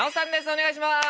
お願いします。